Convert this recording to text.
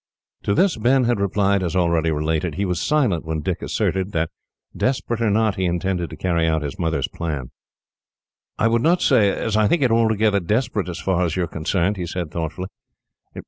To this Ben had replied as already related. He was silent when Dick asserted that, desperate or not, he intended to carry out his mother's plan. "I would not say as I think it altogether desperate, as far as you are concerned," he said thoughtfully.